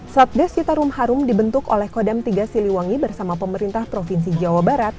satgas citarum harum dibentuk oleh kodam tiga siliwangi bersama pemerintah provinsi jawa barat